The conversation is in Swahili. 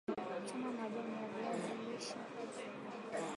chuma majani ya viazi lishe